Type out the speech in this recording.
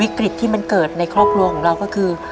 วิกฤตที่มันเกิดในครอบครัวของเราก็คือ